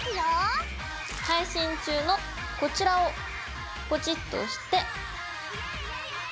配信中のこちらをポチッと押して。